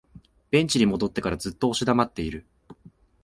ベンチに戻ってからずっと押し黙っている